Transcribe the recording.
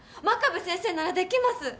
真壁先生ならできます！